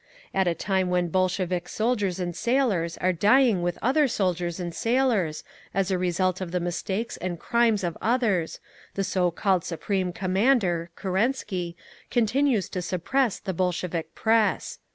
At a time when Bolshevik soldiers and sailors are dying with other soldiers and sailors as a result of the mistakes and crimes of others, the so called Supreme Commander (Kerensky) continues to suppress the Bolshevik press.